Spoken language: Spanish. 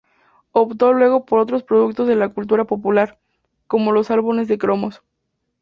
Optó luego por otros productos de la cultura popular, como las álbumes de cromos.